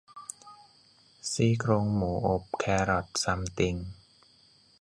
ซี่โครงหมูอบแครอตซัมติง